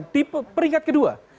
di peringkat kedua